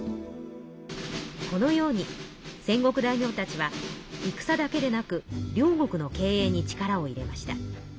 このように戦国大名たちは戦だけでなく領国の経営に力を入れました。